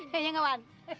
hanya gak wan